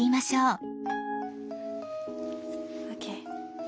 ＯＫ。